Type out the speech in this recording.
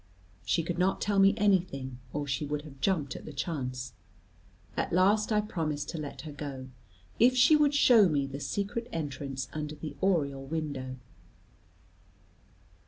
She could not tell me anything, or she would have jumped at the chance. At last I promised to let her go, if she would show me the secret entrance under the oriel window.